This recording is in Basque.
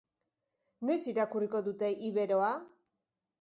Noiz irakurriko dute iberoa?